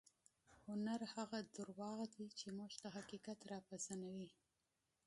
هنر هغه درواغ دي چې موږ ته حقیقت راپېژني.